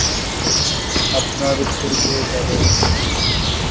আপনার উত্তর পেয়ে যাবেন!